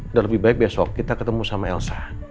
udah lebih baik besok kita ketemu sama elsa